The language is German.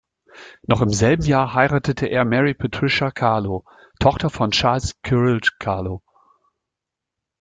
Noch im selben Jahr heiratete er Mary Patricia Carlow, Tochter von Charles Cyril Carlow.